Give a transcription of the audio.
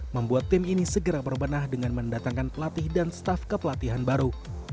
membuat tim ini segera berbenah dengan mendatangkan pelatih dan staff kepelatihan baru